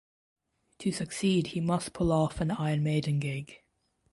To succeed he must pull off an Iron Maiden gig.